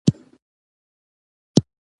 ډاربي د تجربو پر مټ په خپل کار کې ګټه وکړه.